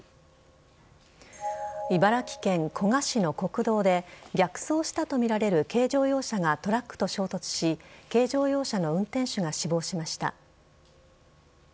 茨城県古河市の国道で逆走したとみられる軽乗用車がトラックと衝突し軽乗用車の運転手が死亡しました。